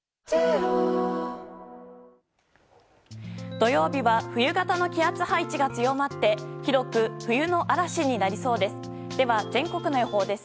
土曜日は冬型の気圧配置が強まって広く冬の嵐になりそうです。